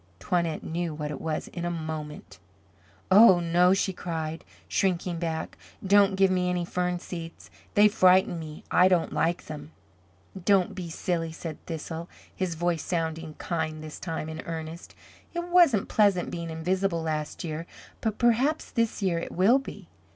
Toinette knew what it was in a moment. "Oh, no," she cried shrinking back. "Don't give me any fern seeds. They frighten me. I don't like them." "Don't be silly," said Thistle, his voice sounding kind this time, and earnest. "It wasn't pleasant being invisible last year, but perhaps this year it will be.